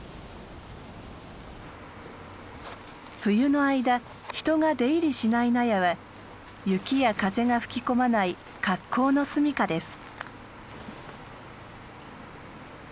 冬の間人が出入りしない納屋は雪や風が吹き込まない格好の住みかです。